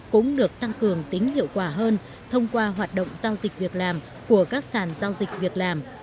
cũng được tăng cường tính hiệu quả hơn thông qua hoạt động giao dịch việc làm của các sàn giao dịch việc làm